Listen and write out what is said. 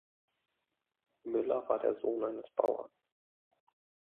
Müller war der Sohn eines Bauern.